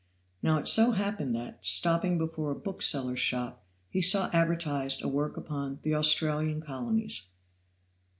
Now it so happened that, stopping before a bookseller's shop, he saw advertised a work upon "The Australian Colonies."